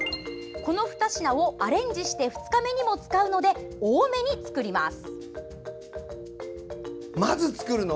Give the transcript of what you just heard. この２品をアレンジして２日目にも使うので多めに作ります。